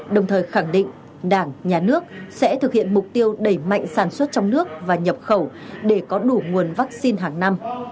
đồng thời khẳng định đảng nhà nước sẽ thực hiện mục tiêu đẩy mạnh sản xuất trong nước và nhập khẩu để có đủ nguồn vaccine hàng năm